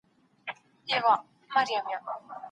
ښایي مستري په اوږه باندي ګڼ توکي راوړي.